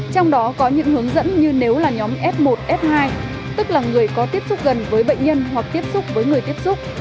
trong đó có những hướng dẫn như nếu là nhóm f một f hai tức là người có tiếp xúc gần với bệnh nhân hoặc tiếp xúc với người tiếp xúc